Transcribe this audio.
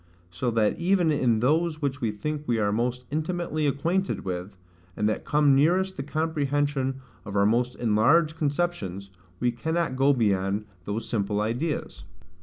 So that even in those which we think we are most intimately acquainted with, and that come nearest the comprehension of our most enlarged conceptions, we cannot go beyond those simple ideas.